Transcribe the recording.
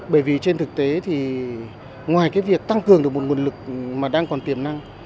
bởi vì trên thực tế thì ngoài cái việc tăng cường được một nguồn lực mà đang còn tiềm năng